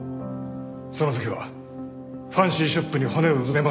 その時はファンシーショップに骨をうずめますよ。